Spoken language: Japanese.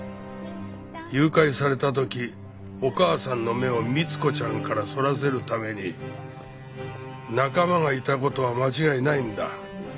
誘拐された時お母さんの目を光子ちゃんからそらせるために仲間がいた事は間違いないんだ。